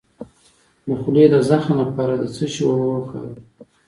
د خولې د زخم لپاره د څه شي اوبه وکاروم؟